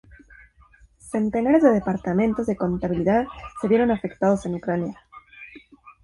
Centenares de departamentos de contabilidad se vieron afectados en Ucrania.